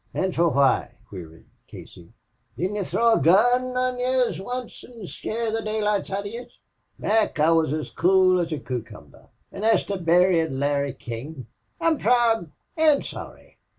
"An' fer why?" queried Casey. "Didn't he throw a gun on yez once an' scare the daylights out of yez?" "Mac, I wuz as cool as a coocumber. An' as to buryin' Larry King, I'm proud an' sorry.